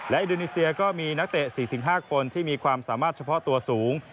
อินโดนีเซียก็มีนักเตะ๔๕คนที่มีความสามารถเฉพาะตัวสูง